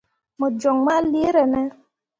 Mo joŋ ma leere ne ?